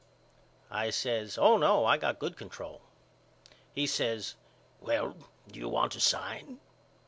I says Oh no I got good control. He says well do you want to sign?